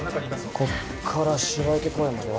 こっから芝池公園までは？